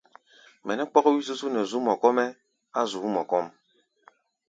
Mɛ nɛ́ kpɔ́k wí-zúzú nɛ zu̧ú̧ mɔ kɔ́-mɛ́ á̧ zu̧ú̧ mɔ kɔ́ʼm.